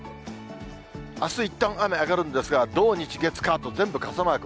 あすいったん雨上がるんですが、土、日、月、火と全部傘マーク。